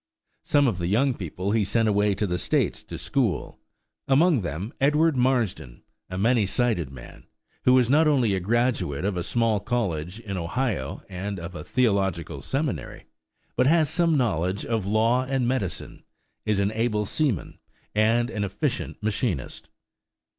Some of the young people he sent away to the States to school: among them Edward Marsden, a many sided man, who is not only a graduate of a small college in Ohio and of a theological seminary, but has some knowledge of law and medicine, is an able seaman, and an efficient machinist.